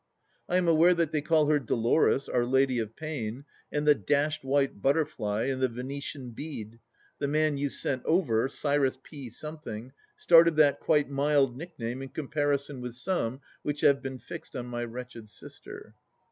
I am aware that they call her Dolores, Our Lady of Pain, and "The Dashed White Butterfly," and "The Venetian Bead "— the man you sent over, Cyrus P. Something, started that quite mild nick name in comparison with some which have been fixed on my wretched sister.